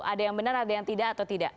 ada yang benar ada yang tidak atau tidak